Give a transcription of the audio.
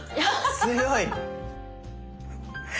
強い。